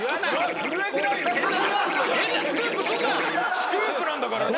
スクープなんだからね。